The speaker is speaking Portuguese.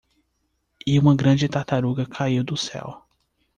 E uma grande tartaruga caiu do céu.